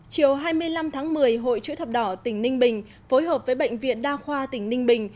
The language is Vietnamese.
chiều hai mươi năm tháng một mươi hội chữ thập đỏ tỉnh ninh bình phối hợp với bệnh viện đa khoa tỉnh ninh bình